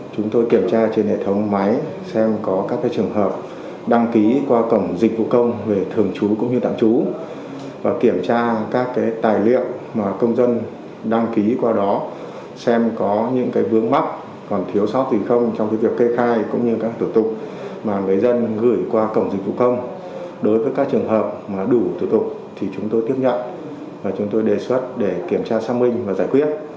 thủ tục mà người dân gửi qua cổng dịch vụ công đối với các trường hợp mà đủ thủ tục thì chúng tôi tiếp nhận và chúng tôi đề xuất để kiểm tra xác minh và giải quyết